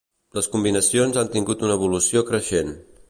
Les combinacions han tingut una evolució creixent.